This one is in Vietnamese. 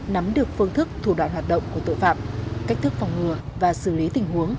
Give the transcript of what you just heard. nắm được phương thức thủ đoạn hoạt động của tội phạm cách thức phòng ngừa và xử lý tình huống